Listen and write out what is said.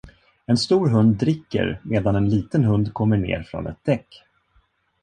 En stor hund dricker medan en liten hund kommer ner från ett däck.